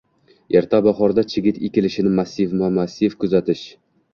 Erta bahorda chigit ekilishini massivma-massiv kuzatish